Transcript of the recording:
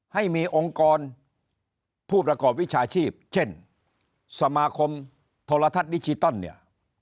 ให้มีองค์กรผู้ประกอบวิชาชีพเช่นสมาคมโทรทัศน์ดิจิตอลเนี่ย